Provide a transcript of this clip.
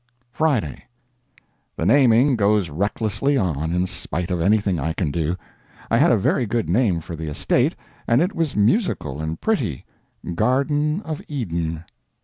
FRIDAY. The naming goes recklessly on, in spite of anything I can do. I had a very good name for the estate, and it was musical and pretty _Garden Of Eden.